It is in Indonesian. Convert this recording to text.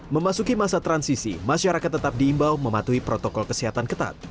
memasuki masa transisi masyarakat tetap diimbau mematuhi protokol kesehatan ketat